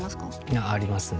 いやありますね。